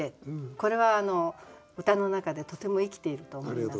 これは歌の中でとても生きていると思います。